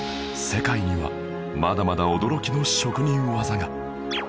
世界にはまだまだ驚きの職人技が